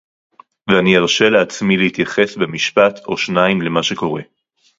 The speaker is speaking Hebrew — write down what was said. ואני ארשה לעצמי להתייחס במשפט או שניים למה שקורה